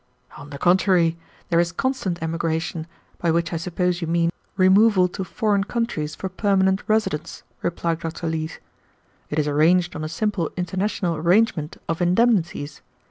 "On the contrary, there is constant emigration, by which I suppose you mean removal to foreign countries for permanent residence," replied Dr. Leete. "It is arranged on a simple international arrangement of indemnities.